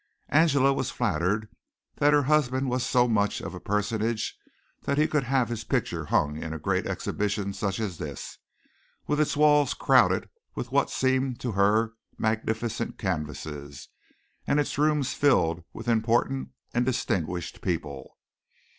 Angela was flattered that her husband was so much of a personage that he could have his picture hung in a great exhibition such as this, with its walls crowded with what seemed to her magnificent canvases, and its rooms filled with important and distinguished people.